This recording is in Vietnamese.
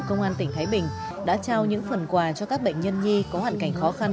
công an tỉnh thái bình đã trao những phần quà cho các bệnh nhân nhi có hoàn cảnh khó khăn